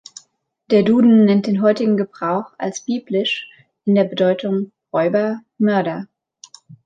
Der Duden nennt den heutigen Gebrauch als „biblisch“ in der Bedeutung „Räuber, Mörder“.